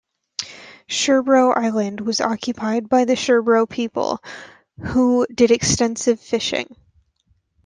Sherbro Island was occupied by the Sherbro people, who did extensive fishing.